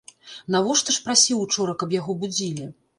Навошта ж прасіў учора, каб яго будзілі?